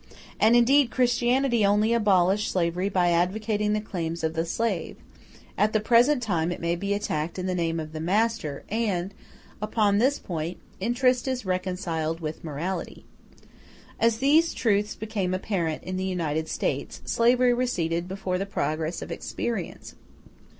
And indeed Christianity only abolished slavery by advocating the claims of the slave; at the present time it may be attacked in the name of the master, and, upon this point, interest is reconciled with morality. As these truths became apparent in the United States, slavery receded before the progress of experience.